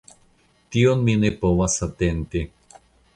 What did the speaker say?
Tion mi ne povas atenti.